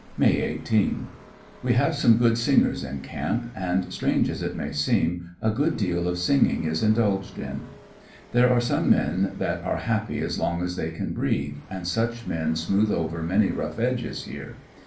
May 18. — We have some good singers in camp, and strange as it may seem, a good deal of singing is indulged in. There are some men that are happy as long as they can breathe, and such men smoothe over many rough places here.